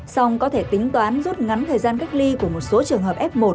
xong có thể tính toán rút ngắn thời gian cách ly của một số trường hợp f một